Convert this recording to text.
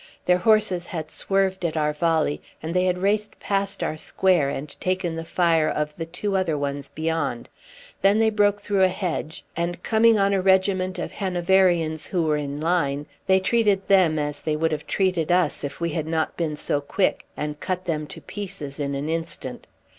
Their horses had swerved at our volley, and they had raced past our square and taken the fire of the two other ones beyond. Then they broke through a hedge, and coming on a regiment of Hanoverians who were in line, they treated them as they would have treated us if we had not been so quick, and cut them to pieces in an instant.